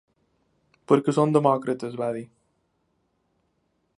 Perquè som demòcrates, va dir.